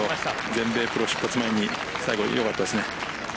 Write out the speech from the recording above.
全米プロ出発前に最後、よかったですね。